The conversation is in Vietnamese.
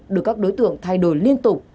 được các đối tượng thay đổi liên tục